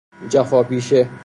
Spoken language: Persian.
جفاپیشه